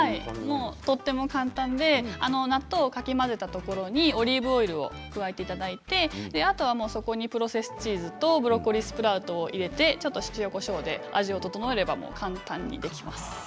とても簡単で納豆をかき混ぜたところにオリーブオイルを加えていただいてあとはそこにプロセスチーズとブロッコリースプラウトを入れてちょっと、塩、こしょうで味を調えれば簡単にできます。